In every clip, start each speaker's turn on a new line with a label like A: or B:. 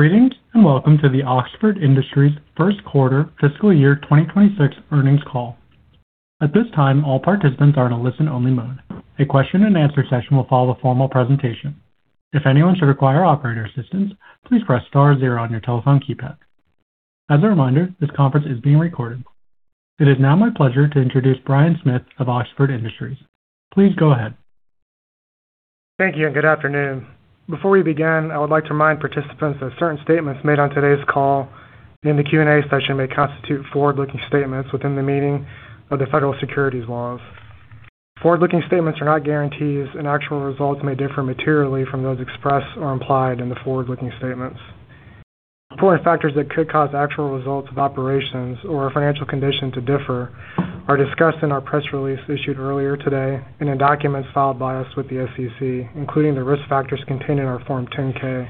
A: Greetings, and welcome to the Oxford Industries first quarter fiscal year 2026 earnings call. At this time, all participants are in a listen-only mode. A question-and-answer session will follow the formal presentation. If anyone should require operator assistance, please press star zero on your telephone keypad. As a reminder, this conference is being recorded. It is now my pleasure to introduce Brian Smith of Oxford Industries. Please go ahead.
B: Thank you, and good afternoon. Before we begin, I would like to remind participants that certain statements made on today's call and in the question-and-answer session may constitute forward-looking statements within the meaning of the federal securities laws. Forward-looking statements are not guarantees, and actual results may differ materially from those expressed or implied in the forward-looking statements. Important factors that could cause actual results of operations or financial condition to differ are discussed in our press release issued earlier today and in documents filed by us with the SEC, including the risk factors contained in our Form 10-K.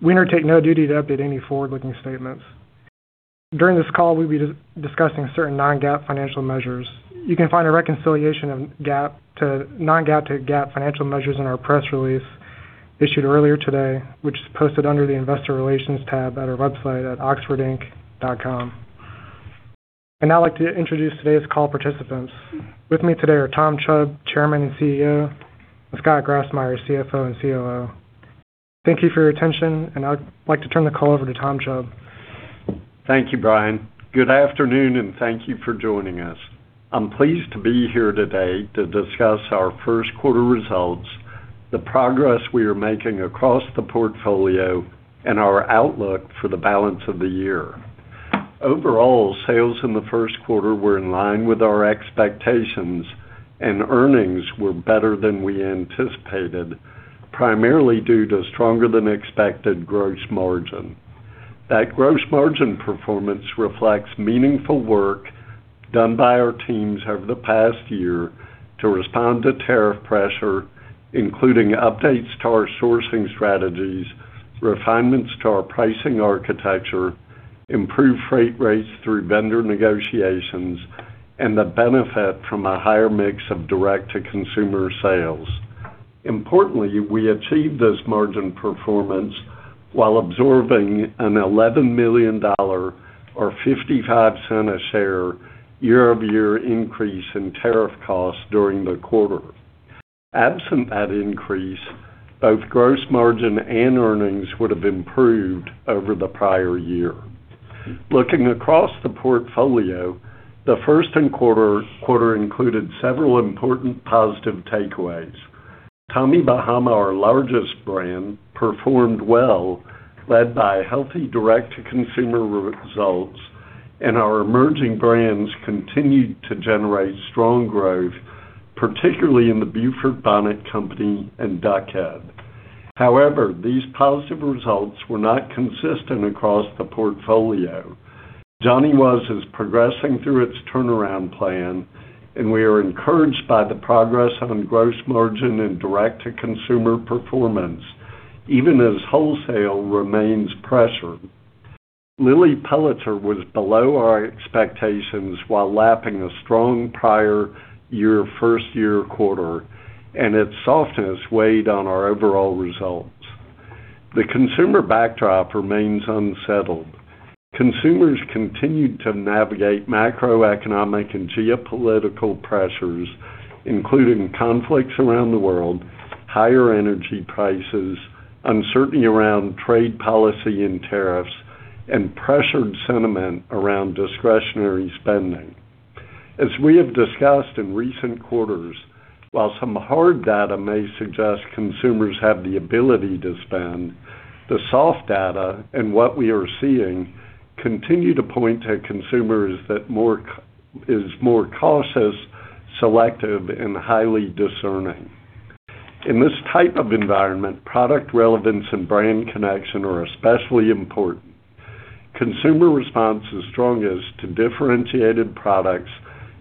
B: We undertake no duty to update any forward-looking statements. During this call, we'll be discussing certain non-GAAP financial measures. You can find a reconciliation of non-GAAP to GAAP financial measures in our press release issued earlier today, which is posted under the investor relations tab at our website at oxfordinc.com. I'd now like to introduce today's call participants. With me today are Tom Chubb, Chairman and CEO, and Scott Grassmyer, CFO and COO. Thank you for your attention, and I'd like to turn the call over to Tom Chubb.
C: Thank you, Brian. Good afternoon, and thank you for joining us. I'm pleased to be here today to discuss our first quarter results, the progress we are making across the portfolio, and our outlook for the balance of the year. Overall, sales in the first quarter were in line with our expectations, and earnings were better than we anticipated, primarily due to stronger than expected gross margin. That gross margin performance reflects meaningful work done by our teams over the past year to respond to tariff pressure, including updates to our sourcing strategies, refinements to our pricing architecture, improved freight rates through vendor negotiations, and the benefit from a higher mix of direct-to-consumer sales. Importantly, we achieved this margin performance while absorbing an $11 million, or $0.55 a share, year-over-year increase in tariff costs during the quarter. Absent that increase, both gross margin and earnings would have improved over the prior year. Looking across the portfolio, the first quarter included several important positive takeaways. Tommy Bahama, our largest brand, performed well, led by healthy direct-to-consumer results. Our Emerging Brands continued to generate strong growth, particularly in The Beaufort Bonnet Company and Duck Head. However, these positive results were not consistent across the portfolio. Johnny Was is progressing through its turnaround plan, and we are encouraged by the progress on gross margin and direct-to-consumer performance, even as wholesale remains pressured. Lilly Pulitzer was below our expectations while lapping a strong prior year first year quarter. Its softness weighed on our overall results. The consumer backdrop remains unsettled. Consumers continued to navigate macroeconomic and geopolitical pressures, including conflicts around the world, higher energy prices, uncertainty around trade policy and tariffs, and pressured sentiment around discretionary spending. As we have discussed in recent quarters, while some hard data may suggest consumers have the ability to spend, the soft data and what we are seeing continue to point to consumers that is more cautious, selective, and highly discerning. In this type of environment, product relevance and brand connection are especially important. Consumer response is strongest to differentiated products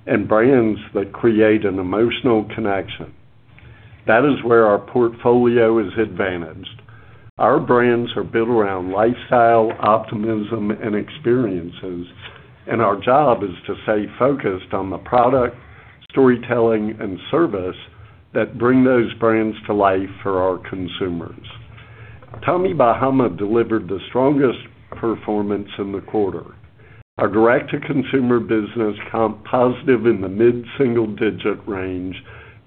C: and brands that create an emotional connection. That is where our portfolio is advantaged. Our brands are built around lifestyle, optimism, and experiences. Our job is to stay focused on the product, storytelling, and service that bring those brands to life for our consumers. Tommy Bahama delivered the strongest performance in the quarter. Our direct-to-consumer business comp positive in the mid-single-digit range,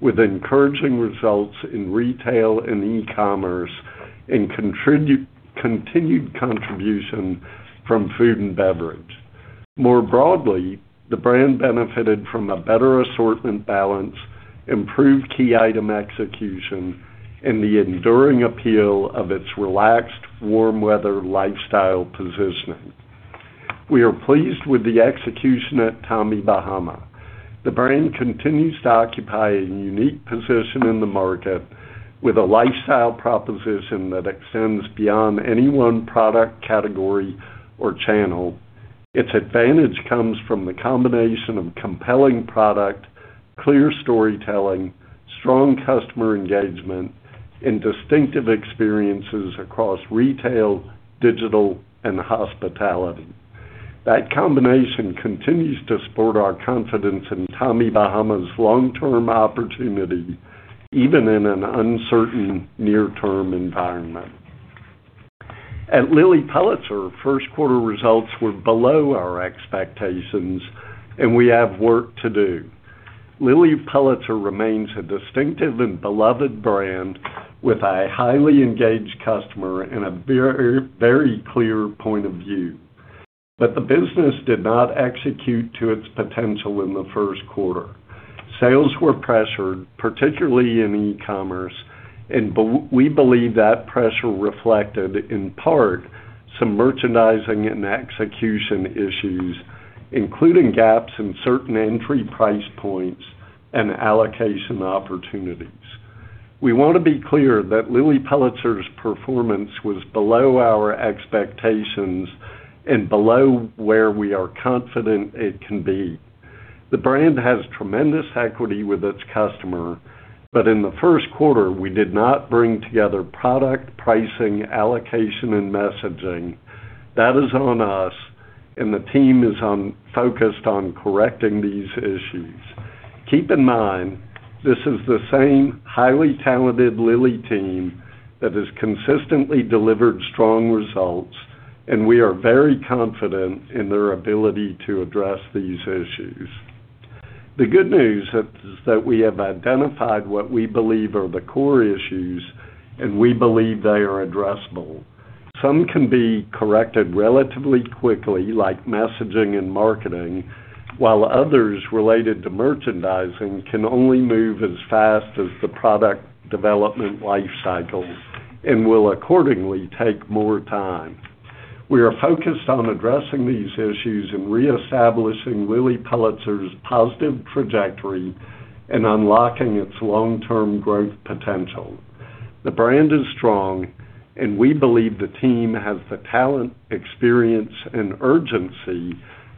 C: with encouraging results in retail and e-commerce and continued contribution from food and beverage. More broadly, the brand benefited from a better assortment balance, improved key item execution, and the enduring appeal of its relaxed, warm weather lifestyle positioning. We are pleased with the execution at Tommy Bahama. The brand continues to occupy a unique position in the market with a lifestyle proposition that extends beyond any one product category or channel. Its advantage comes from the combination of compelling product, clear storytelling, strong customer engagement, and distinctive experiences across retail, digital, and hospitality. That combination continues to support our confidence in Tommy Bahama's long-term opportunity, even in an uncertain near-term environment. At Lilly Pulitzer, first quarter results were below our expectations, and we have work to do. Lilly Pulitzer remains a distinctive and beloved brand with a highly engaged customer and a very clear point of view. The business did not execute to its potential in the first quarter. Sales were pressured, particularly in e-commerce. We believe that pressure reflected, in part, some merchandising and execution issues, including gaps in certain entry price points and allocation opportunities. We want to be clear that Lilly Pulitzer's performance was below our expectations and below where we are confident it can be. The brand has tremendous equity with its customer. In the first quarter, we did not bring together product pricing, allocation, and messaging. That is on us. The team is focused on correcting these issues. Keep in mind, this is the same highly talented Lilly team that has consistently delivered strong results, and we are very confident in their ability to address these issues. The good news is that we have identified what we believe are the core issues, and we believe they are addressable. Some can be corrected relatively quickly, like messaging and marketing, while others related to merchandising can only move as fast as the product development life cycle and will accordingly take more time. We are focused on addressing these issues and reestablishing Lilly Pulitzer's positive trajectory and unlocking its long-term growth potential. The brand is strong, and we believe the team has the talent, experience, and urgency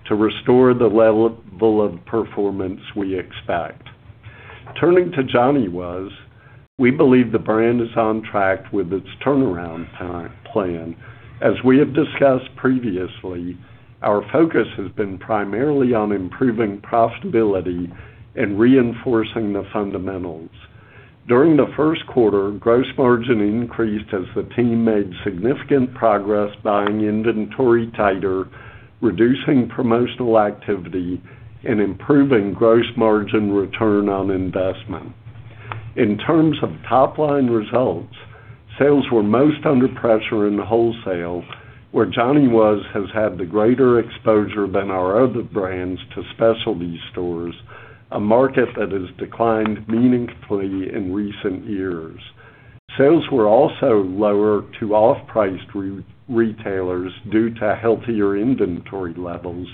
C: to restore the level of performance we expect. Turning to Johnny Was, we believe the brand is on track with its turnaround plan. As we have discussed previously, our focus has been primarily on improving profitability and reinforcing the fundamentals. During the first quarter, gross margin increased as the team made significant progress buying inventory tighter, reducing promotional activity, and improving gross margin return on investment. In terms of top-line results, sales were most under pressure in the wholesale, where Johnny Was has had the greater exposure than our other brands to specialty stores, a market that has declined meaningfully in recent years. Sales were also lower to off-price retailers due to healthier inventory levels,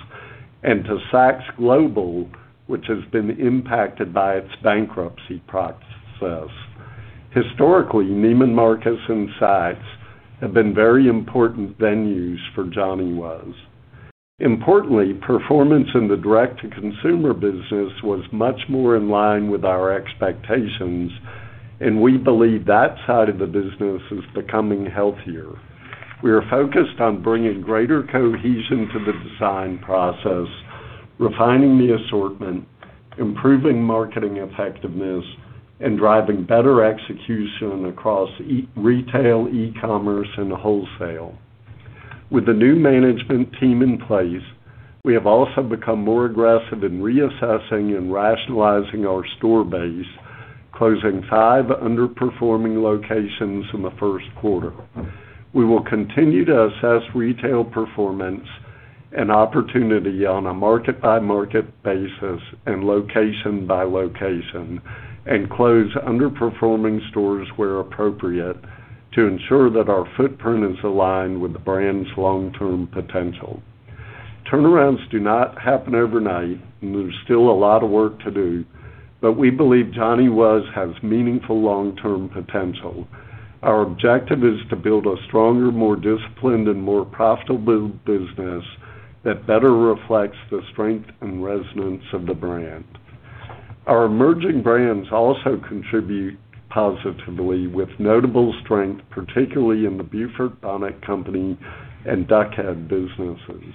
C: and to Saks Global, which has been impacted by its bankruptcy process. Historically, Neiman Marcus and Saks have been very important venues for Johnny Was. Importantly, performance in the direct-to-consumer business was much more in line with our expectations, and we believe that side of the business is becoming healthier. We are focused on bringing greater cohesion to the design process, refining the assortment, improving marketing effectiveness, and driving better execution across retail, e-commerce, and wholesale. With the new management team in place, we have also become more aggressive in reassessing and rationalizing our store base, closing five underperforming locations in the first quarter. We will continue to assess retail performance and opportunity on a market-by-market basis and location by location, and close underperforming stores where appropriate to ensure that our footprint is aligned with the brand's long-term potential. Turnarounds do not happen overnight, and there's still a lot of work to do, but we believe Johnny Was has meaningful long-term potential. Our objective is to build a stronger, more disciplined, and more profitable business that better reflects the strength and resonance of the brand. Our Emerging Brands also contribute positively with notable strength, particularly in the Beaufort Bonnet Company and Duck Head businesses.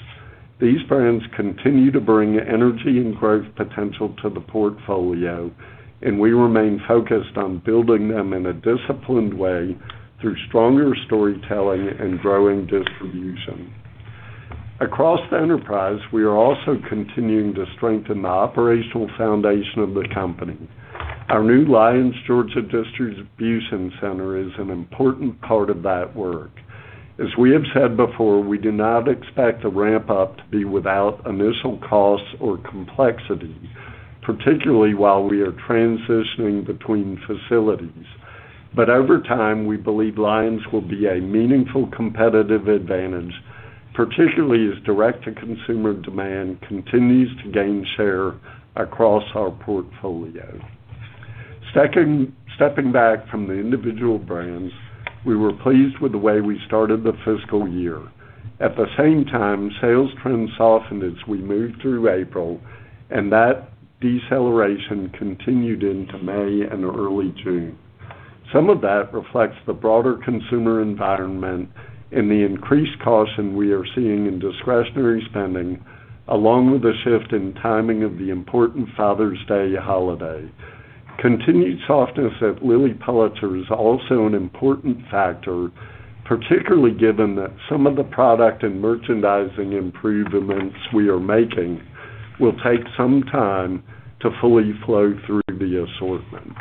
C: These brands continue to bring energy and growth potential to the portfolio, and we remain focused on building them in a disciplined way through stronger storytelling and growing distribution. Across the enterprise, we are also continuing to strengthen the operational foundation of the company. Our new Lyons, Georgia distribution center is an important part of that work. As we have said before, we do not expect the ramp-up to be without initial costs or complexity, particularly while we are transitioning between facilities. But over time, we believe Lyons will be a meaningful competitive advantage, particularly as direct-to-consumer demand continues to gain share across our portfolio. Stepping back from the individual brands, we were pleased with the way we started the fiscal year. At the same time, sales trends softened as we moved through April, and that deceleration continued into May and early June. Some of that reflects the broader consumer environment and the increased caution we are seeing in discretionary spending, along with a shift in timing of the important Father's Day holiday. Continued softness at Lilly Pulitzer is also an important factor, particularly given that some of the product and merchandising improvements we are making will take some time to fully flow through the assortment.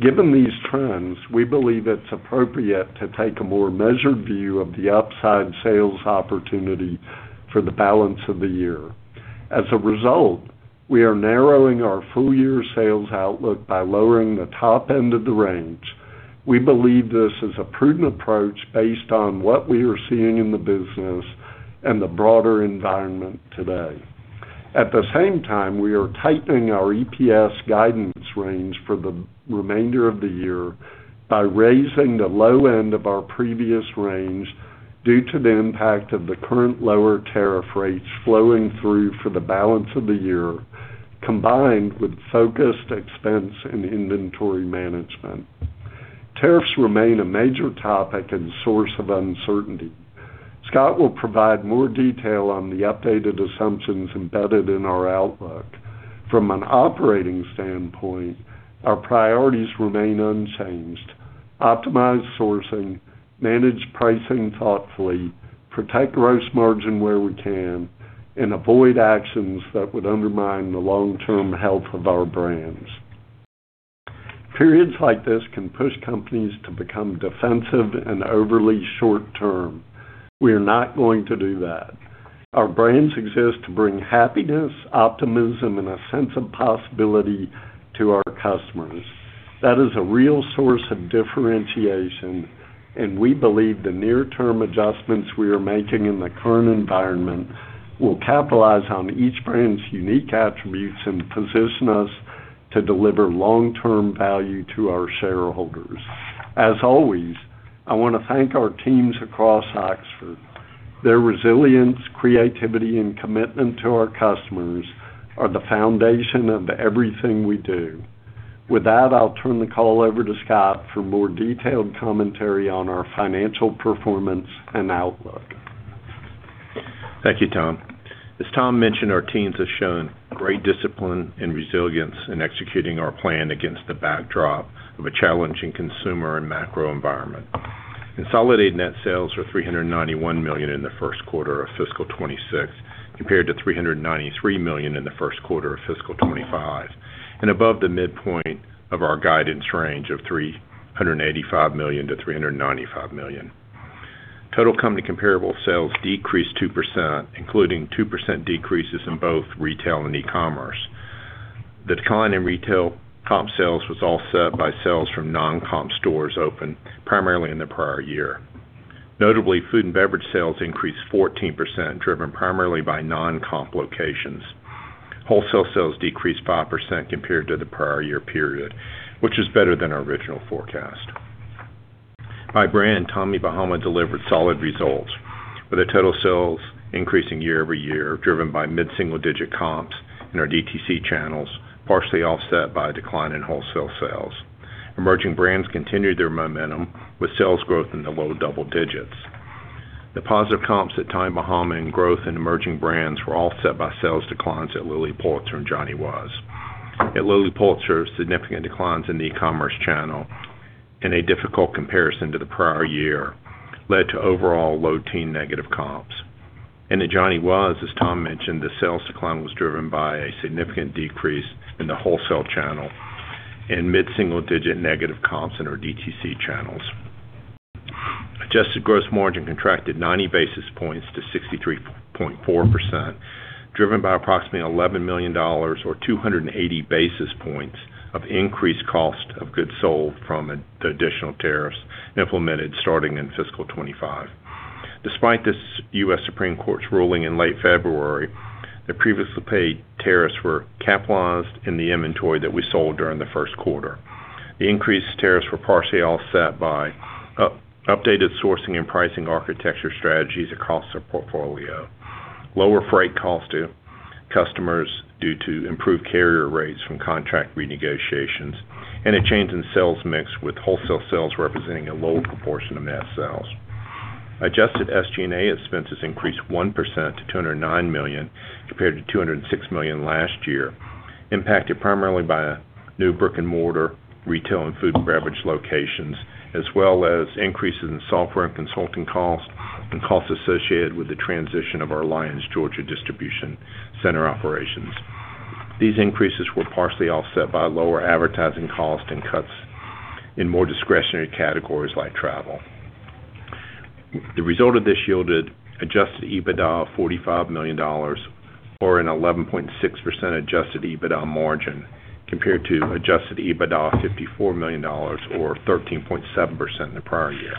C: Given these trends, we believe it's appropriate to take a more measured view of the upside sales opportunity for the balance of the year. As a result, we are narrowing our full year sales outlook by lowering the top end of the range. We believe this is a prudent approach based on what we are seeing in the business and the broader environment today. At the same time, we are tightening our EPS guidance range for the remainder of the year by raising the low end of our previous range due to the impact of the current lower tariff rates flowing through for the balance of the year, combined with focused expense and inventory management. Tariffs remain a major topic and source of uncertainty. Scott will provide more detail on the updated assumptions embedded in our outlook. From an operating standpoint, our priorities remain unchanged. Optimize sourcing, manage pricing thoughtfully, protect gross margin where we can, and avoid actions that would undermine the long-term health of our brands. Periods like this can push companies to become defensive and overly short term. We are not going to do that. Our brands exist to bring happiness, optimism, and a sense of possibility to our customers. That is a real source of differentiation, and we believe the near-term adjustments we are making in the current environment will capitalize on each brand's unique attributes and position us to deliver long-term value to our shareholders. As always, I want to thank our teams across Oxford. Their resilience, creativity, and commitment to our customers are the foundation of everything we do. With that, I'll turn the call over to Scott for more detailed commentary on our financial performance and outlook.
D: Thank you, Tom. As Tom mentioned, our teams have shown great discipline and resilience in executing our plan against the backdrop of a challenging consumer and macro environment. Consolidated net sales were $391 million in the first quarter of fiscal 2026, compared to $393 million in the first quarter of fiscal 2025, and above the midpoint of our guidance range of $385 million to $395 million. Total company comparable sales decreased 2%, including 2% decreases in both retail and e-commerce. The decline in retail comp sales was offset by sales from non-comp stores open primarily in the prior year. Notably, food and beverage sales increased 14%, driven primarily by non-comp locations. Wholesale sales decreased 5% compared to the prior year period, which is better than our original forecast. By brand, Tommy Bahama delivered solid results with total sales increasing year-over-year, driven by mid-single-digit comps in our DTC channels, partially offset by a decline in wholesale sales. Emerging Brands continued their momentum with sales growth in the low double digits. The positive comps at Tommy Bahama and growth in Emerging Brands were offset by sales declines at Lilly Pulitzer and Johnny Was. At Lilly Pulitzer, significant declines in the e-commerce channel and a difficult comparison to the prior year led to overall low teen negative comps. At Johnny Was, as Tom mentioned, the sales decline was driven by a significant decrease in the wholesale channel and mid-single-digit negative comps in our DTC channels. Adjusted gross margin contracted 90 basis points to 63.4%, driven by approximately $11 million, or 280 basis points of increased cost of goods sold from the additional tariffs implemented starting in fiscal 2025. Despite this, U.S. Supreme Court's ruling in late February that previously paid tariffs were capitalized in the inventory that we sold during the first quarter. The increased tariffs were partially offset by updated sourcing and pricing architecture strategies across our portfolio, lower freight costs to customers due to improved carrier rates from contract renegotiations, and a change in sales mix, with wholesale sales representing a lower proportion of net sales. Adjusted SG&A expenses increased 1% to $209 million, compared to $206 million last year, impacted primarily by new brick-and-mortar retail and food and beverage locations, as well as increases in software and consulting costs and costs associated with the transition of our Lyons, Georgia, distribution center operations. These increases were partially offset by lower advertising costs and cuts in more discretionary categories like travel. The result of this yielded adjusted EBITDA of $45 million, or an 11.6% adjusted EBITDA margin, compared to adjusted EBITDA of $54 million or 13.7% in the prior year.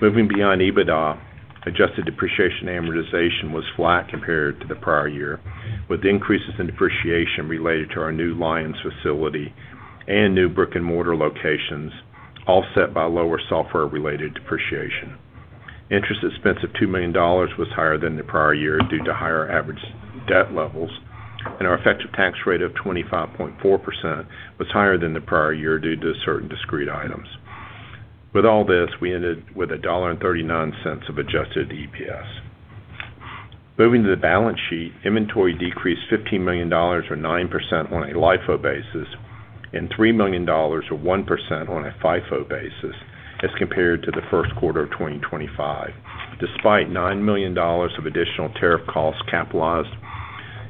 D: Moving beyond EBITDA, adjusted depreciation amortization was flat compared to the prior year, with increases in depreciation related to our new Lyons facility and new brick-and-mortar locations offset by lower software related depreciation. Interest expense of $2 million was higher than the prior year due to higher average debt levels. Our effective tax rate of 25.4% was higher than the prior year due to certain discrete items. With all this, we ended with $1.39 of adjusted EPS. Moving to the balance sheet, inventory decreased $15 million, or 9% on a LIFO basis, and $3 million, or 1% on a FIFO basis as compared to the first quarter of 2025, despite $9 million of additional tariff costs capitalized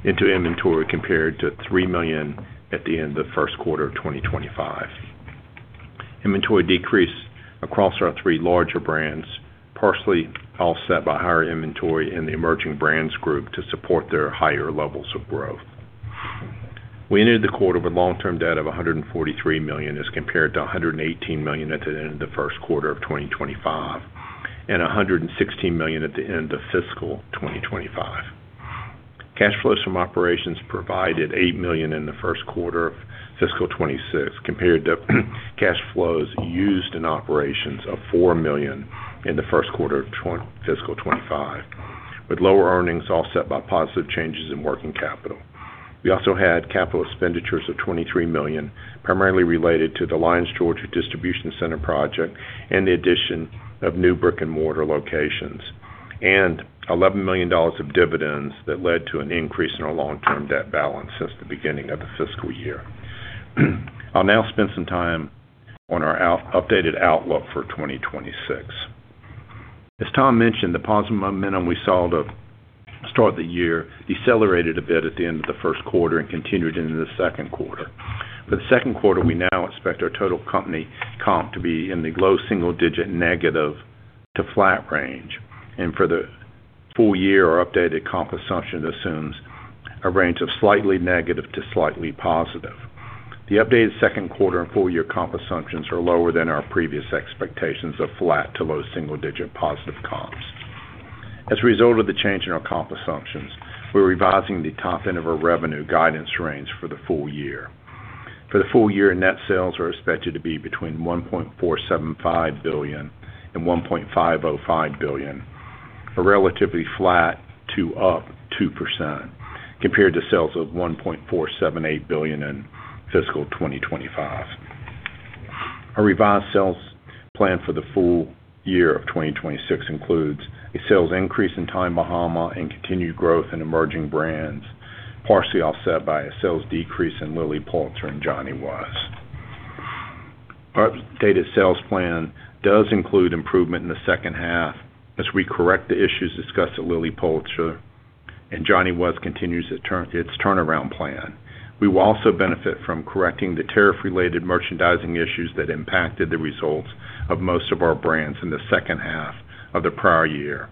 D: into inventory compared to $3 million at the end of the first quarter of 2025. Inventory decreased across our three larger brands, partially offset by higher inventory in the Emerging Brands group to support their higher levels of growth. We ended the quarter with long-term debt of $143 million as compared to $118 million at the end of the first quarter of 2025, and $116 million at the end of fiscal 2025. Cash flows from operations provided $8 million in the first quarter of fiscal 2026, compared to cash flows used in operations of $4 million in the first quarter of fiscal 2025, with lower earnings offset by positive changes in working capital. We also had capital expenditures of $23 million, primarily related to the Lyons, Georgia distribution center project and the addition of new brick-and-mortar locations, and $11 million of dividends that led to an increase in our long-term debt balance since the beginning of the fiscal year. I'll now spend some time on our updated outlook for 2026. As Tom mentioned, the positive momentum we saw at the start of the year decelerated a bit at the end of the first quarter and continued into the second quarter. For the second quarter, we now expect our total company comp to be in the low single-digit negative to flat range. For the full year, our updated comp assumption assumes a range of slightly negative to slightly positive. The updated second quarter and full-year comp assumptions are lower than our previous expectations of flat to low single-digit positive comps. As a result of the change in our comp assumptions, we're revising the top end of our revenue guidance range for the full year. For the full year, net sales are expected to be between $1.475 billion and $1.505 billion, a relatively flat to up 2%, compared to sales of $1.478 billion in fiscal 2025. Our revised sales plan for the full year of 2026 includes a sales increase in Tommy Bahama and continued growth in Emerging Brands, partially offset by a sales decrease in Lilly Pulitzer and Johnny Was. Our updated sales plan does include improvement in the second half as we correct the issues discussed at Lilly Pulitzer, and Johnny Was continues its turnaround plan. We will also benefit from correcting the tariff-related merchandising issues that impacted the results of most of our brands in the second half of the prior year,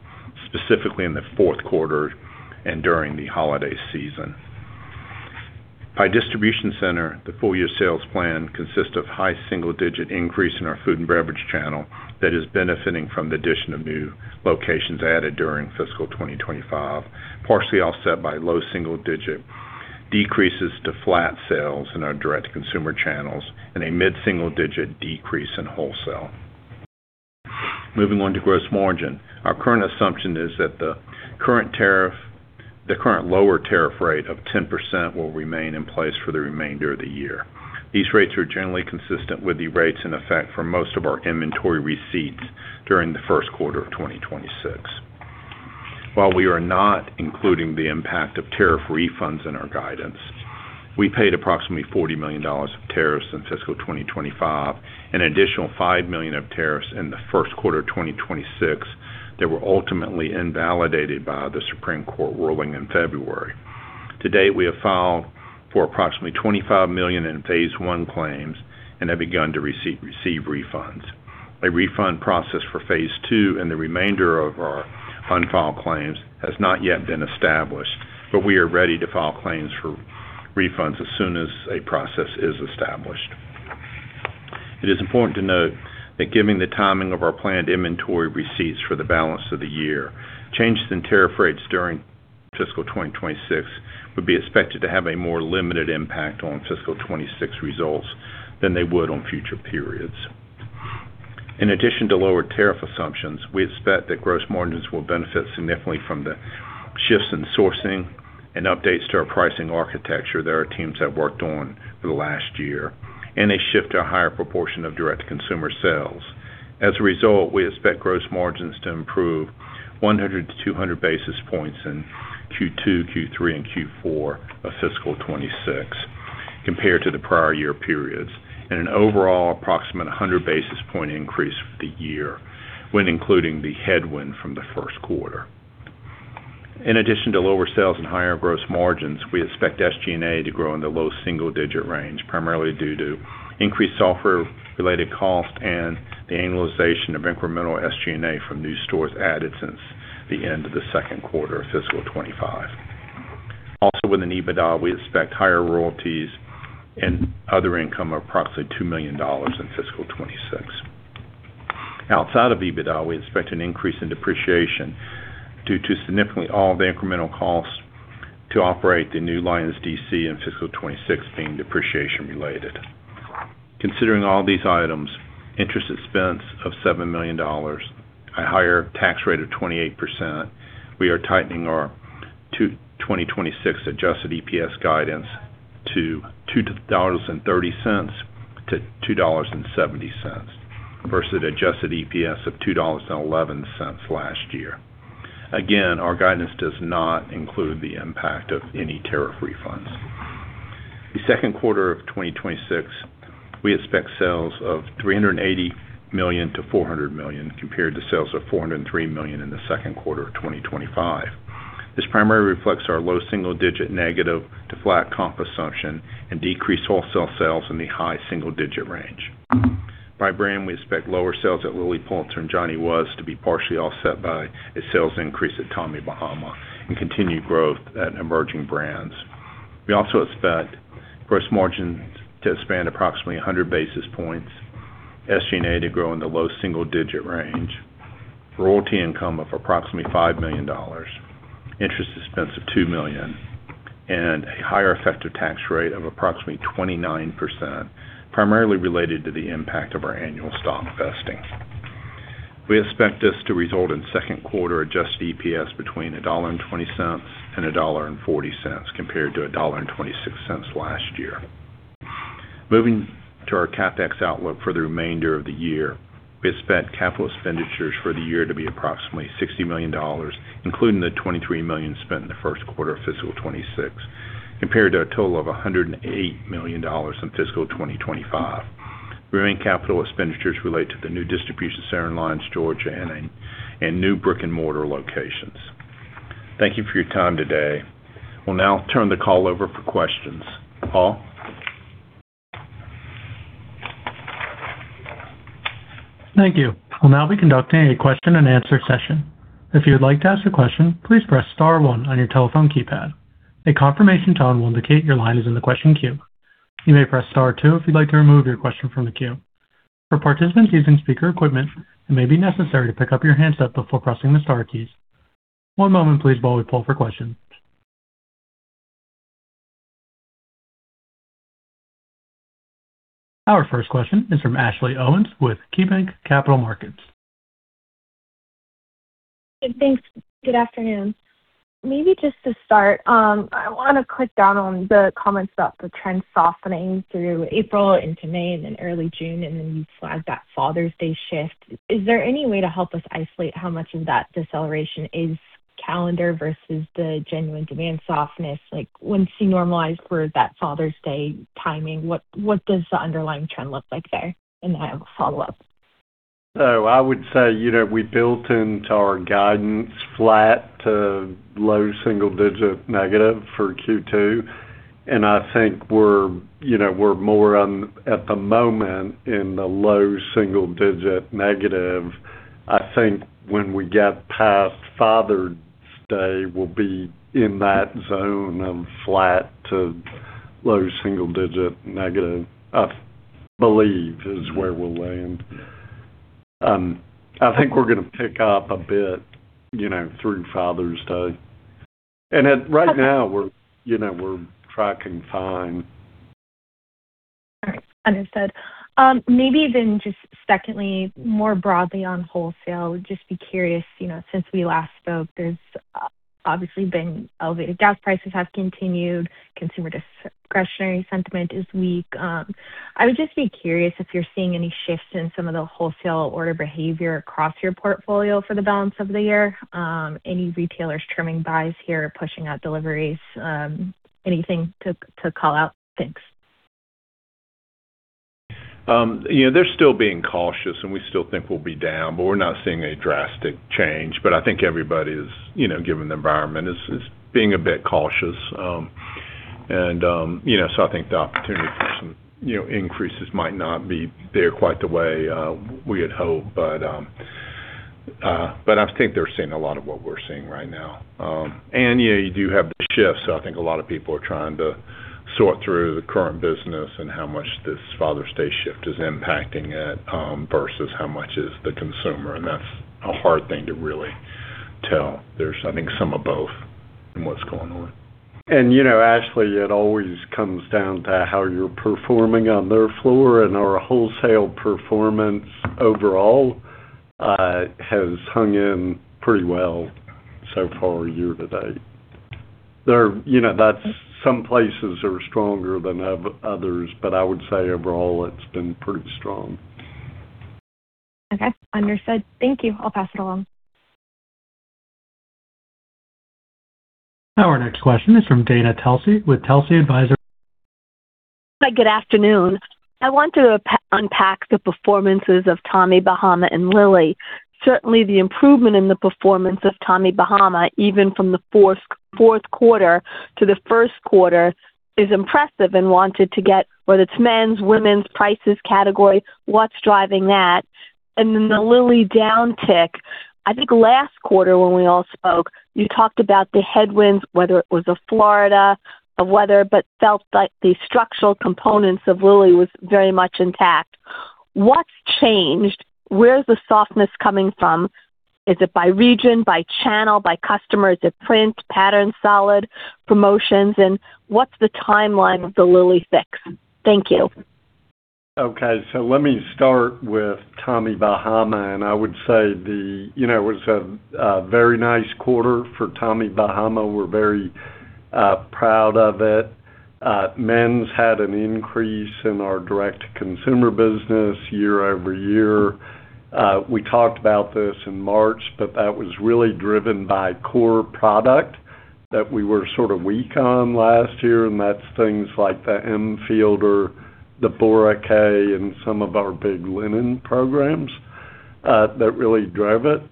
D: specifically in the fourth quarter and during the holiday season. By distribution center, the full-year sales plan consists of high single-digit increase in our food and beverage channel that is benefiting from the addition of new locations added during fiscal 2025, partially offset by low single-digit decreases to flat sales in our direct-to-consumer channels, and a mid-single-digit decrease in wholesale. Moving on to gross margin. Our current assumption is that the current lower tariff rate of 10% will remain in place for the remainder of the year. These rates are generally consistent with the rates in effect for most of our inventory receipts during the first quarter of 2026. While we are not including the impact of tariff refunds in our guidance, we paid approximately $40 million of tariffs in fiscal 2025, an additional $5 million of tariffs in the first quarter of 2026 that were ultimately invalidated by the Supreme Court ruling in February. To date, we have filed for approximately $25 million in phase one claims and have begun to receive refunds. A refund process for phase two and the remainder of our unfiled claims has not yet been established, but we are ready to file claims for refunds as soon as a process is established. It is important to note that given the timing of our planned inventory receipts for the balance of the year, changes in tariff rates during fiscal 2026 would be expected to have a more limited impact on fiscal 2026 results than they would on future periods. In addition to lower tariff assumptions, we expect that gross margins will benefit significantly from the shifts in sourcing and updates to our pricing architecture that our teams have worked on for the last year, and a shift to a higher proportion of direct-to-consumer sales. As a result, we expect gross margins to improve 100 to 200 basis points in Q2, Q3, and Q4 of fiscal 2026 compared to the prior year periods, and an overall approximate 100 basis point increase for the year when including the headwind from the first quarter. In addition to lower sales and higher gross margins, we expect SG&A to grow in the low single-digit range, primarily due to increased software-related cost and the annualization of incremental SG&A from new stores added since the end of the second quarter of fiscal 2025. Within the EBITDA, we expect higher royalties and other income of approximately $2 million in fiscal 2026. Outside of EBITDA, we expect an increase in depreciation due to significantly all of the incremental costs to operate the new Lyons DC and fiscal 2026 depreciation related. Considering all these items, interest expense of $7 million, a higher tax rate of 28%, we are tightening our 2026 adjusted EPS guidance to $2.30 to $2.70 versus adjusted EPS of $2.11 last year. Again, our guidance does not include the impact of any tariff refunds. The second quarter of 2026, we expect sales of $380 million to $400 million, compared to sales of $403 million in the second quarter of 2025. This primarily reflects our low single-digit negative to flat comp assumption and decreased wholesale sales in the high single-digit range. By brand, we expect lower sales at Lilly Pulitzer and Johnny Was to be partially offset by a sales increase at Tommy Bahama and continued growth at Emerging Brands. We also expect gross margins to expand approximately 100 basis points, SG&A to grow in the low single-digit range, royalty income of approximately $5 million, interest expense of $2 million, and a higher effective tax rate of approximately 29%, primarily related to the impact of our annual stock vesting. We expect this to result in second quarter adjusted EPS between $1.20 and $1.40, compared to $1.26 last year. Moving to our CapEx outlook for the remainder of the year, we expect capital expenditures for the year to be approximately $60 million, including the $23 million spent in the first quarter of fiscal 2026, compared to a total of $108 million in fiscal 2025. Remaining capital expenditures relate to the new distribution center in Lyons, Georgia, and new brick-and-mortar locations. Thank you for your time today. We'll now turn the call over for questions. Paul?
A: Thank you. We'll now be conducting a question-and-answer session. If you would like to ask a question, please press star one on your telephone keypad. A confirmation tone will indicate your line is in the question queue. You may press star two if you'd like to remove your question from the queue. For participants using speaker equipment, it may be necessary to pick up your handset before pressing the star keys. One moment, please, while we pull for questions. Our first question is from Ashley Owens with KeyBanc Capital Markets.
E: Thanks. Good afternoon. I want to click down on the comments about the trend softening through April into May and then early June, and then you flagged that Father's Day shift. Is there any way to help us isolate how much of that deceleration is calendar versus the genuine demand softness? Once you normalize for that Father's Day timing, what does the underlying trend look like there? I have a follow-up.
C: I would say, we built into our guidance flat to low single-digit negative for Q2, and I think we're more on, at the moment, in the low single-digit negative. I think when we get past Father's Day, we'll be in that zone of flat to low single-digit negative, I believe is where we'll land. I think we're going to pick up a bit through Father's Day. Right now, we're tracking fine.
E: All right. Understood. Maybe then just secondly, more broadly on wholesale, would just be curious, since we last spoke, there's obviously been elevated gas prices have continued, consumer discretionary sentiment is weak. I would just be curious if you're seeing any shifts in some of the wholesale order behavior across your portfolio for the balance of the year. Any retailers trimming buys here, pushing out deliveries? Anything to call out? Thanks.
D: They're still being cautious, we still think we'll be down, we're not seeing a drastic change. I think everybody is, given the environment, is being a bit cautious. I think the opportunity for some increases might not be there quite the way we had hoped. I think they're seeing a lot of what we're seeing right now. Yeah, you do have the shift, I think a lot of people are trying to sort through the current business and how much this Father's Day shift is impacting it versus how much is the consumer. That's a hard thing to really tell. There's, I think, some of both in what's going on.
C: Ashley, it always comes down to how you're performing on their floor, our wholesale performance overall has hung in pretty well so far year-to-date. Some places are stronger than others, I would say overall it's been pretty strong.
E: Okay. Understood. Thank you. I'll pass it along.
A: Our next question is from Dana Telsey with Telsey Advisory.
F: Good afternoon. I want to unpack the performances of Tommy Bahama and Lilly. Certainly, the improvement in the performance of Tommy Bahama, even from the fourth quarter to the first quarter, is impressive and wanted to get whether it's men's, women's prices category, what's driving that? The Lilly downtick, I think last quarter when we all spoke, you talked about the headwinds, whether it was the Florida, the weather, felt like the structural components of Lilly was very much intact. What's changed? Where's the softness coming from? Is it by region, by channel, by customer? Is it print, pattern, solid, promotions? What's the timeline of the Lilly fix? Thank you.
C: Okay. Let me start with Tommy Bahama. I would say it was a very nice quarter for Tommy Bahama. We're very proud of it. Men's had an increase in our direct-to-consumer business year-over-year. We talked about this in March. That was really driven by core product that we were sort of weak on last year. That's things like the M-Field or the Boracay and some of our big linen programs that really drove it.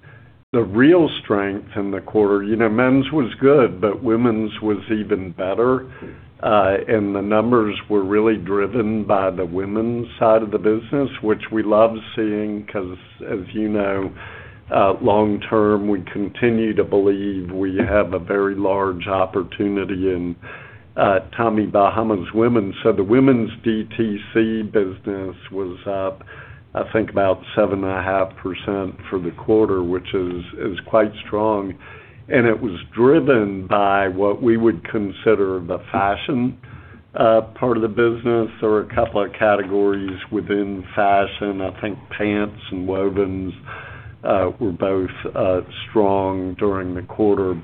C: The real strength in the quarter, men's was good. Women's was even better. The numbers were really driven by the women's side of the business, which we love seeing, because, as you know, long term, we continue to believe we have a very large opportunity in Tommy Bahama's women's. The women's DTC business was up, I think about 7.5% for the quarter, which is quite strong. It was driven by what we would consider the fashion part of the business. There were a couple of categories within fashion. I think pants and wovens were both strong during the quarter.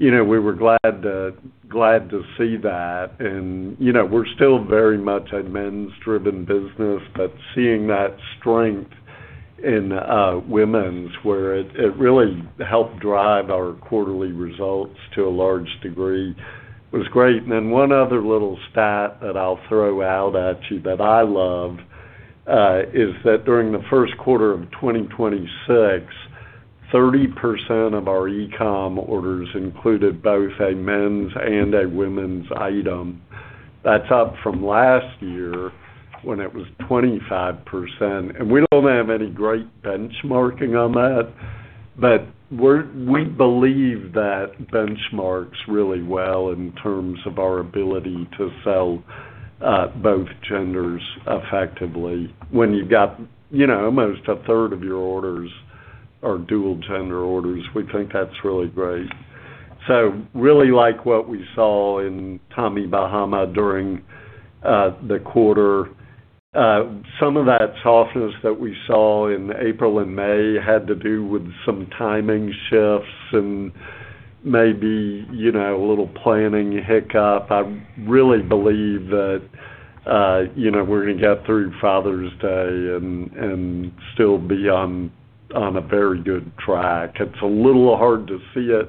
C: We were glad to see that. We're still very much a men's-driven business. Seeing that strength in women's, where it really helped drive our quarterly results to a large degree, was great. One other little stat that I'll throw out at you that I love is that during the first quarter of 2026, 30% of our e-com orders included both a men's and a women's item. That's up from last year when it was 25%. We don't have any great benchmarking on that. We believe that benchmarks really well in terms of our ability to sell both genders effectively. When you've got almost a third of your orders are dual gender orders, we think that's really great. Really like what we saw in Tommy Bahama during the quarter. Some of that softness that we saw in April and May had to do with some timing shifts and maybe a little planning hiccup. I really believe that we're going to get through Father's Day and still be on a very good track. It's a little hard to see it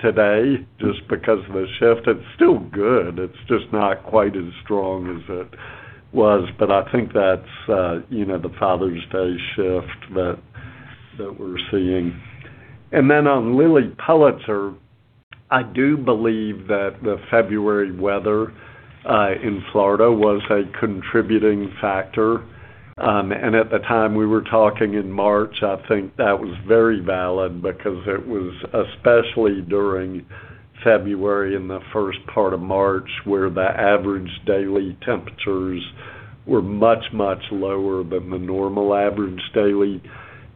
C: today just because of the shift. It's still good. It's just not quite as strong as it was. I think that's the Father's Day shift that we're seeing. On Lilly Pulitzer, I do believe that the February weather in Florida was a contributing factor. At the time we were talking in March, I think that was very valid because it was, especially during February and the first part of March, where the average daily temperatures were much, much lower than the normal average daily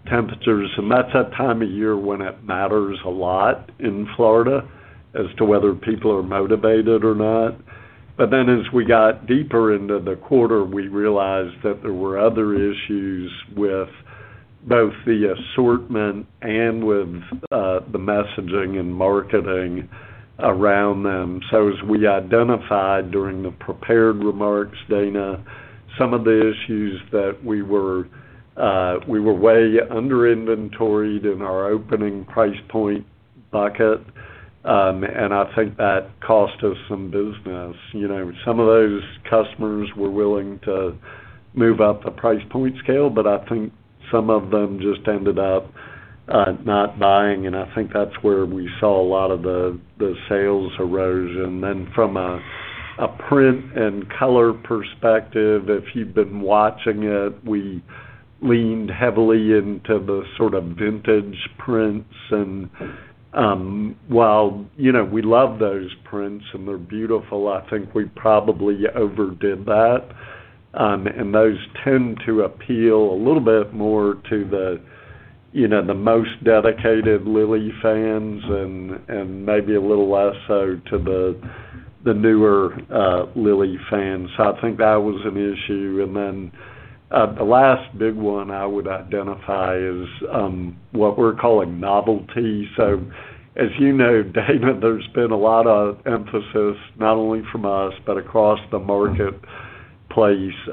C: temperatures. That's that time of year when it matters a lot in Florida as to whether people are motivated or not. As we got deeper into the quarter, we realized that there were other issues with both the assortment and with the messaging and marketing around them. As we identified during the prepared remarks, Dana, some of the issues that we were way under inventoried in our opening price point bucket, and I think that cost us some business. Some of those customers were willing to move up a price point scale, I think some of them just ended up not buying, and I think that's where we saw a lot of the sales erosion. From a print and color perspective, if you've been watching it, we leaned heavily into the sort of vintage prints. While we love those prints and they're beautiful, I think we probably overdid that. Those tend to appeal a little bit more to the most dedicated Lilly fans and maybe a little less so to the newer Lilly fans. I think that was an issue. The last big one I would identify is what we're calling novelty. As you know, Dana, there's been a lot of emphasis, not only from us, but across the marketplace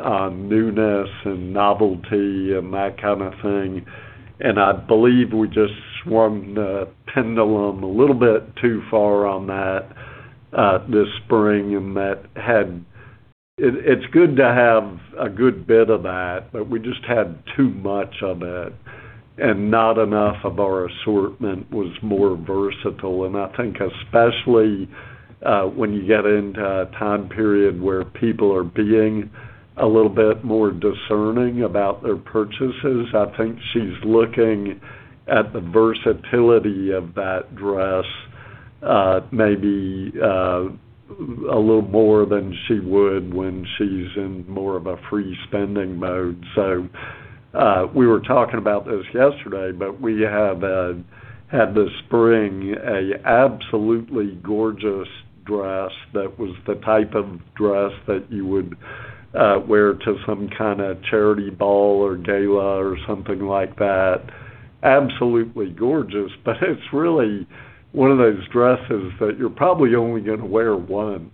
C: on newness and novelty and that kind of thing. I believe we just swung the pendulum a little bit too far on that this spring. It's good to have a good bit of that, we just had too much of it, not enough of our assortment was more versatile. I think especially when you get into a time period where people are being a little bit more discerning about their purchases, I think she's looking at the versatility of that dress. Maybe a little more than she would when she's in more of a free spending mode. We were talking about this yesterday, we have had this spring an absolutely gorgeous dress that was the type of dress that you would wear to some kind of charity ball or gala or something like that. Absolutely gorgeous, it's really one of those dresses that you're probably only going to wear once.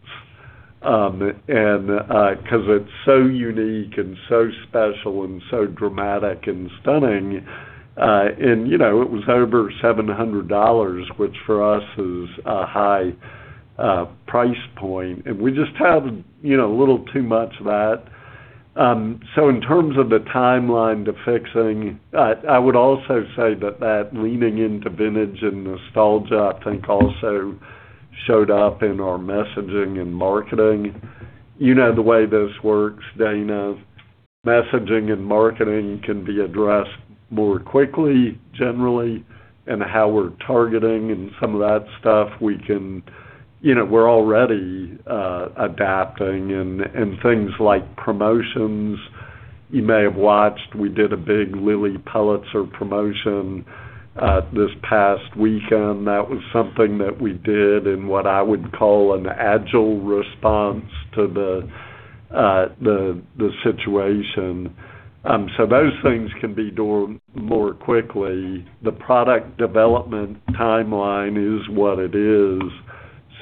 C: Because it's so unique and so special and so dramatic and stunning. It was over $700, which for us is a high price point. We just have a little too much of that. In terms of the timeline to fixing, I would also say that that leaning into vintage and nostalgia, I think, also showed up in our messaging and marketing. You know the way this works, Dana. Messaging and marketing can be addressed more quickly, generally, and how we're targeting and some of that stuff. We're already adapting and things like promotions. You may have watched, we did a big Lilly Pulitzer promotion this past weekend. That was something that we did in what I would call an agile response to the situation. Those things can be done more quickly. The product development timeline is what it is.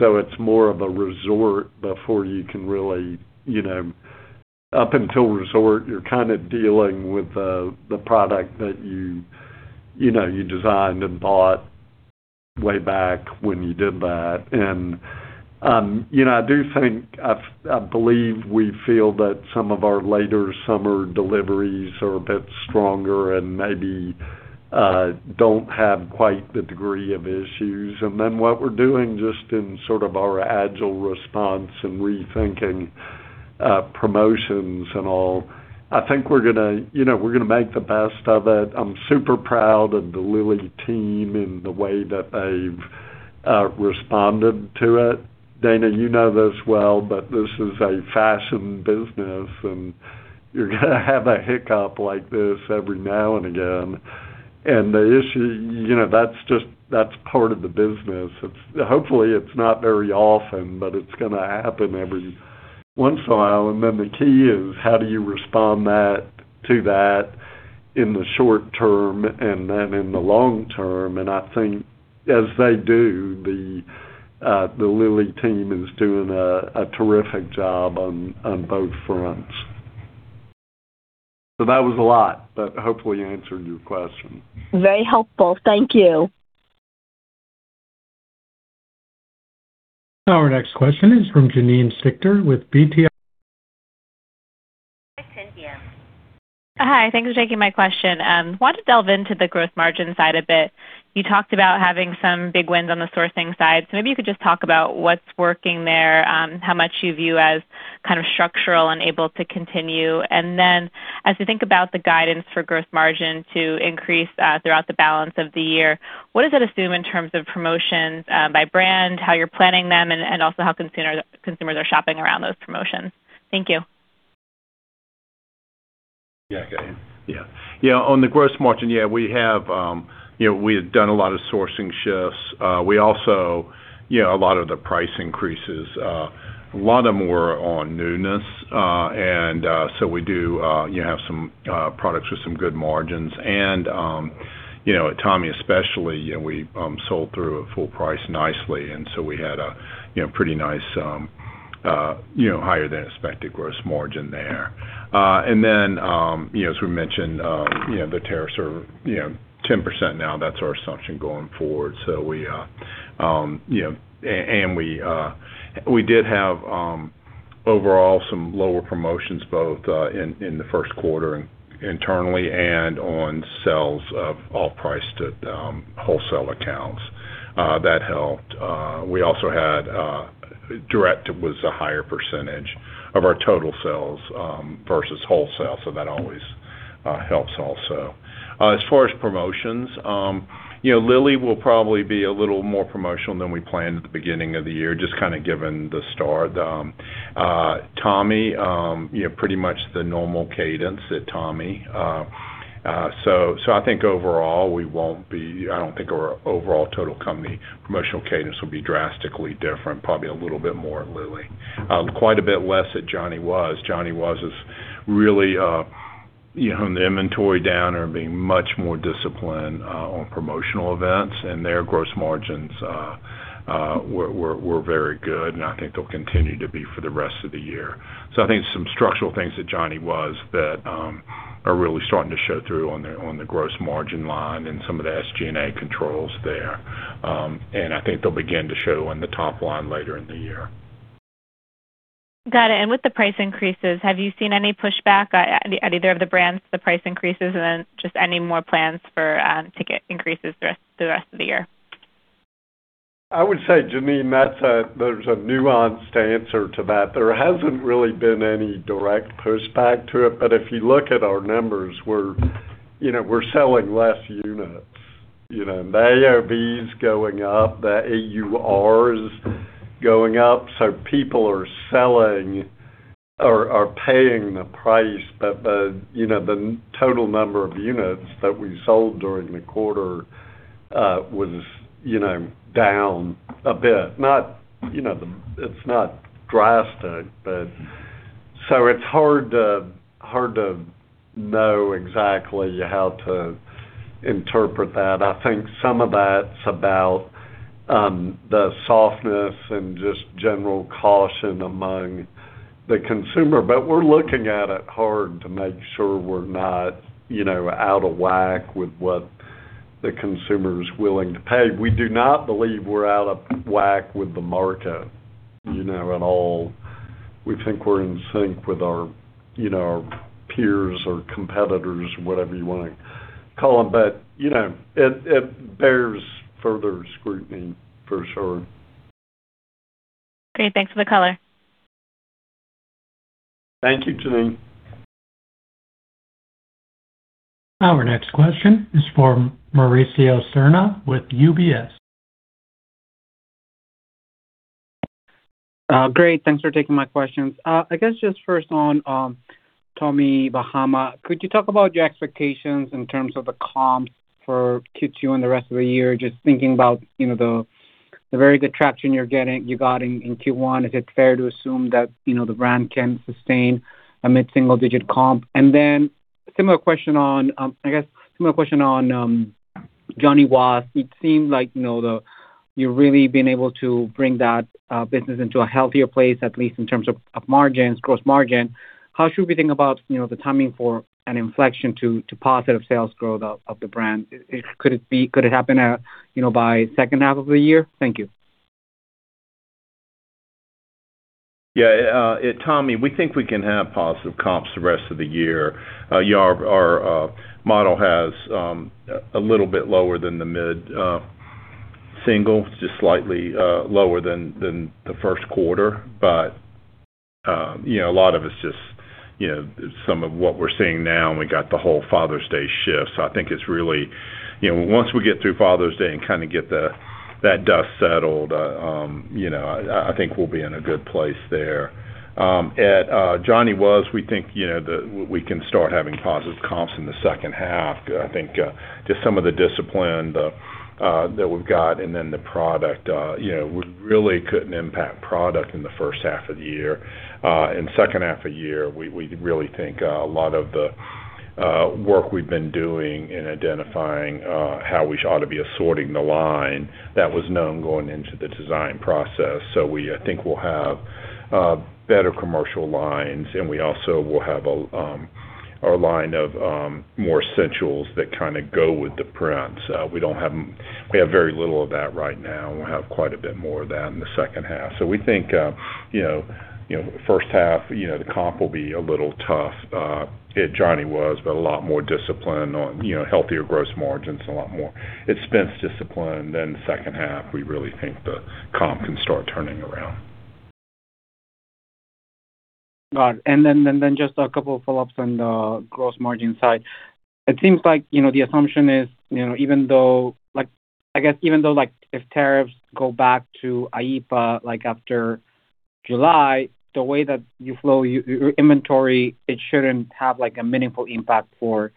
C: It's more of a resort before you can really up until resort, you're dealing with the product that you designed and bought way back when you did that. I believe we feel that some of our later summer deliveries are a bit stronger and maybe don't have quite the degree of issues. What we're doing just in sort of our agile response and rethinking promotions and all, I think we're going to make the best of it. I'm super proud of the Lilly Pulitzer team and the way that they've responded to it. Dana, you know this well, but this is a fashion business, and you're going to have a hiccup like this every now and again. That's part of the business. Hopefully, it's not very often, but it's going to happen every once in a while. The key is how do you respond to that in the short term and then in the long term? I think as they do, the Lilly Pulitzer team is doing a terrific job on both fronts. That was a lot, but hopefully answered your question.
F: Very helpful. Thank you.
A: Our next question is from Janine Stichter with BTIG.
G: Hi, thanks for taking my question. Wanted to delve into the gross margin side a bit. You talked about having some big wins on the sourcing side. Maybe you could just talk about what's working there, how much you view as structural and able to continue. As we think about the guidance for gross margin to increase throughout the balance of the year, what does it assume in terms of promotions by brand, how you're planning them, and also how consumers are shopping around those promotions? Thank you.
D: Yeah. On the gross margin, we had done a lot of sourcing shifts. A lot of the price increases, a lot of them were on newness. We do have some products with some good margins. At Tommy especially, we sold through at full price nicely, and so we had a pretty nice higher than expected gross margin there. As we mentioned, the tariffs are 10% now, that's our assumption going forward. We did have overall some lower promotions both in the first quarter internally and on sales of full price to wholesale accounts. That helped. Direct was a higher percentage of our total sales versus wholesale, so that always helps also. As far as promotions, Lilly will probably be a little more promotional than we planned at the beginning of the year, just given the start. Tommy, pretty much the normal cadence at Tommy. I think overall, I don't think our overall total company promotional cadence will be drastically different, probably a little bit more at Lilly. Quite a bit less at Johnny Was. Johnny Was is really on the inventory down and being much more disciplined on promotional events, and their gross margins were very good, and I think they'll continue to be for the rest of the year. I think some structural things at Johnny Was that are really starting to show through on the gross margin line and some of the SG&A controls there. I think they'll begin to show on the top line later in the year.
G: Got it. With the price increases, have you seen any pushback at either of the brands, the price increases? Just any more plans to get increases the rest of the year?
C: I would say, Janine, there's a nuanced answer to that. There hasn't really been any direct pushback to it. If you look at our numbers, We're selling less units. The AOV is going up, the AUR is going up, so people are selling or paying the price, but the total number of units that we sold during the quarter was down a bit. It's not drastic. It's hard to know exactly how to interpret that. I think some of that's about the softness and just general caution among the consumer. We're looking at it hard to make sure we're not out of whack with what the consumer's willing to pay. We do not believe we're out of whack with the market at all. We think we're in sync with our peers or competitors, whatever you want to call them. It bears further scrutiny for sure.
G: Great. Thanks for the color.
C: Thank you, Janine.
A: Our next question is from Mauricio Serna with UBS.
H: Great. Thanks for taking my questions. First on Tommy Bahama, could you talk about your expectations in terms of the comps for Q2 and the rest of the year? Just thinking about the very good traction you got in Q1, is it fair to assume that the brand can sustain a mid-single digit comp? Similar question on Johnny Was. It seemed like you're really being able to bring that business into a healthier place, at least in terms of margins, gross margin. How should we think about the timing for an inflection to positive sales growth of the brand? Could it happen by second half of the year? Thank you.
D: Tommy, we think we can have positive comps the rest of the year. Our model has a little bit lower than the mid-single, just slightly lower than the first quarter. A lot of it's just some of what we're seeing now and we got the whole Father's Day shift. I think it's really once we get through Father's Day and get that dust settled, I think we'll be in a good place there. At Johnny Was, we think we can start having positive comps in the second half. Some of the discipline that we've got and then the product. We really couldn't impact product in the first half of the year. In second half of the year, we really think a lot of the work we've been doing in identifying how we ought to be assorting the line, that was known going into the design process. We think we'll have better commercial lines, and we also will have our line of more essentials that go with the prints. We have very little of that right now, and we'll have quite a bit more of that in the second half. We think first half, the comp will be a little tough at Johnny Was but a lot more discipline on healthier gross margins and a lot more expense discipline. Second half, we really think the comp can start turning around.
H: Got it. A couple of follow-ups on the gross margin side. It seems like the assumption is, even though if tariffs go back to IEEPA after July, the way that you flow your inventory, it shouldn't have a meaningful impact for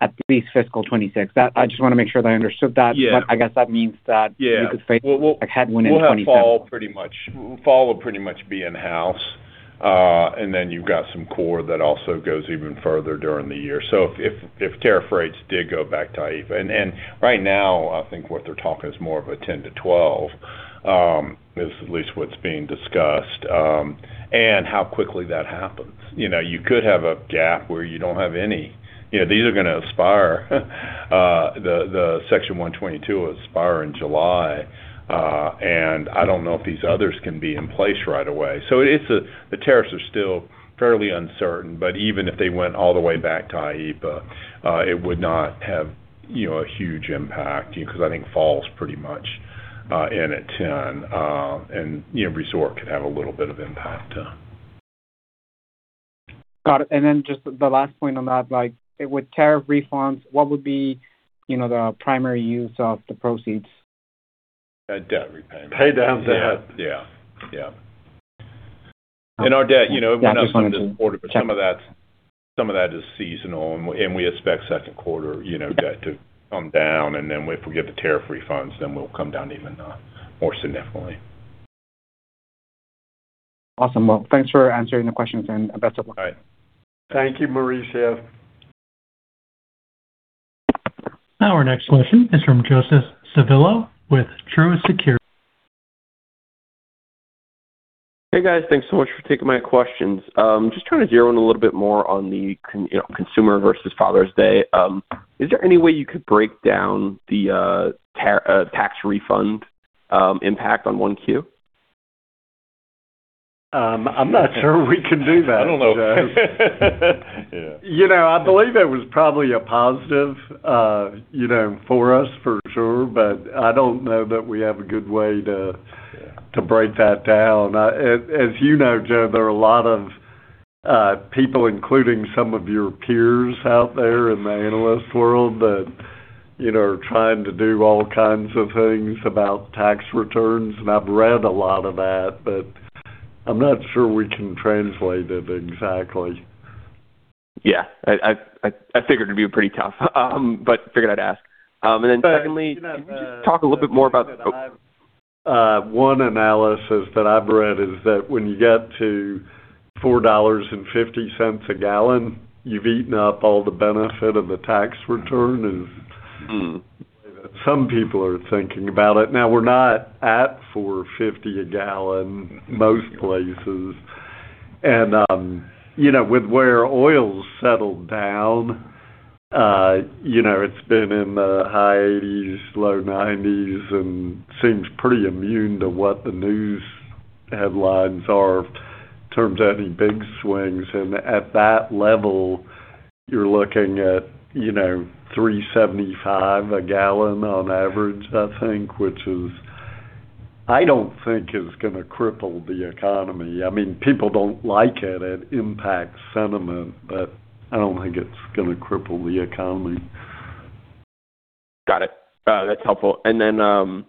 H: at least fiscal 2026. I just want to make sure that I understood that.
D: Yeah.
H: I guess that means that you could face a headwind in 2025.
D: We'll have fall pretty much be in-house. Then you've got some core that also goes even further during the year. If tariff rates did go back to IEEPA. Right now, I think what they're talking is more of a 10 to 12, is at least what's being discussed, and how quickly that happens. You could have a gap where you don't have any. These are going to expire. The Section 122 will expire in July. I don't know if these others can be in place right away. The tariffs are still fairly uncertain but even if they went all the way back to IEEPA, it would not have a huge impact because I think fall's pretty much in at 10. Resort could have a little bit of impact.
H: Got it. Then just the last point on that. With tariff refunds, what would be the primary use of the proceeds?
D: Debt repayment.
C: Pay down debt.
D: Yeah.
H: Yeah, just wanted to check
D: We announced it this quarter but some of that is seasonal and we expect second quarter debt to come down and then if we get the tariff refunds then we'll come down even more significantly.
H: Awesome. Well, thanks for answering the questions and best of luck.
D: All right.
C: Thank you, Mauricio.
A: Our next question is from Joseph Civello with Truist Securities.
I: Hey guys, thanks so much for taking my questions. Just trying to zero in a little bit more on the consumer versus Father's Day. Is there any way you could break down the tax refund impact on 1Q?
C: I'm not sure we can do that, Joe.
D: I don't know. Yeah.
C: I believe it was probably a positive for us for sure but I don't know that we have a good way to break that down. As you know, Joe, there are a lot of people, including some of your peers out there in the analyst world that are trying to do all kinds of things about tax returns, and I've read a lot of that, but I'm not sure we can translate it exactly.
I: Yeah. I figured it'd be pretty tough, but figured I'd ask. Secondly, can you just talk a little bit more about the-
C: One analysis that I've read is that when you get to $4.50 a gallon, you've eaten up all the benefit of the tax return. Some people are thinking about it. We're not at $4.50 a gallon most places, with where oils settled down, it's been in the high 80s, low 90s, and seems pretty immune to what the news headlines are in terms of any big swings. At that level, you're looking at $3.75 a gallon on average, I think, which I don't think is going to cripple the economy. People don't like it impacts sentiment, but I don't think it's going to cripple the economy.
I: Got it. That's helpful. Can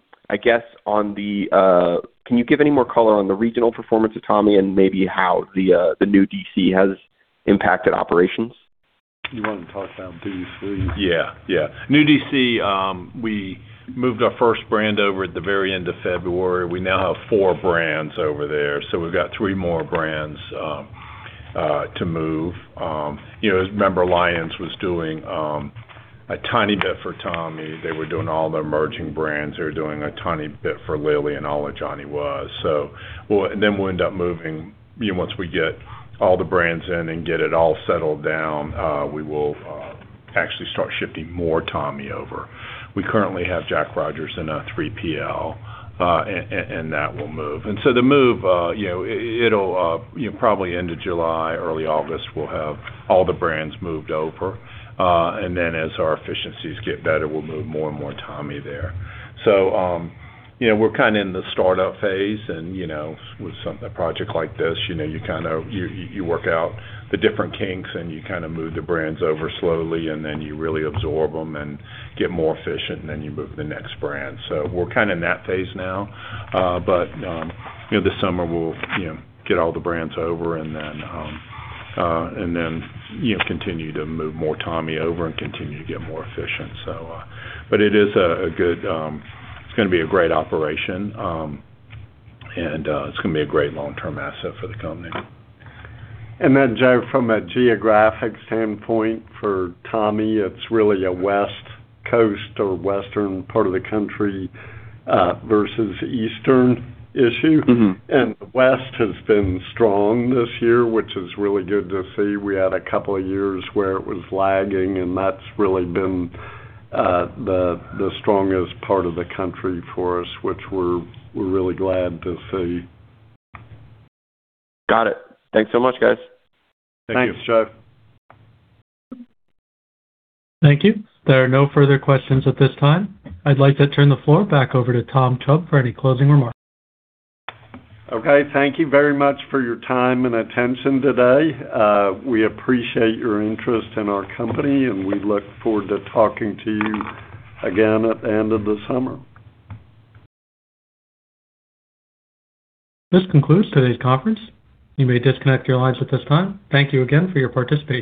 I: you give any more color on the regional performance of Tommy and maybe how the new DC has impacted operations?
C: You want to talk about D.C.?
D: Yeah. New DC, we moved our first brand over at the very end of February. We now have four brands over there. We've got three more brands to move. As you remember, Alliance was doing a tiny bit for Tommy. They were doing all the Emerging Brands. They were doing a tiny bit for Lilly, and all of Johnny Was. Then we'll end up moving, once we get all the brands in and get it all settled down, we will actually start shifting more Tommy over. We currently have Jack Rogers in a 3PL, and that will move. The move, probably end of July, early August, we'll have all the brands moved over. Then as our efficiencies get better, we'll move more and more Tommy there. We're kind of in the startup phase and, with a project like this, you work out the different kinks, and you kind of move the brands over slowly, and then you really absorb them and get more efficient, and then you move the next brand. We're kind of in that phase now. This summer, we'll get all the brands over and then continue to move more Tommy over and continue to get more efficient. It's going to be a great operation, and it's going to be a great long-term asset for the company.
C: Joe, from a geographic standpoint for Tommy, it's really a West Coast or western part of the country versus Eastern issue. The West has been strong this year, which is really good to see. We had a couple of years where it was lagging, and that's really been the strongest part of the country for us, which we're really glad to see.
I: Got it. Thanks so much, guys.
C: Thank you.
D: Thanks, Joe.
A: Thank you. There are no further questions at this time. I'd like to turn the floor back over to Tom Chubb for any closing remarks.
C: Okay, thank you very much for your time and attention today. We appreciate your interest in our company, and we look forward to talking to you again at the end of the summer.
A: This concludes today's conference. You may disconnect your lines at this time. Thank you again for your participation.